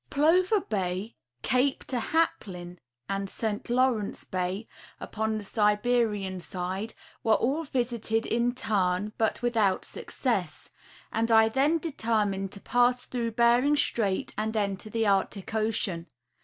'Plover bay, Cape Tchaplin and St. Lawrence bay, upon the Siberian side, were all visited in turn, but without success, and I then determined to pass through Bering strait and enter the Arctic ocean.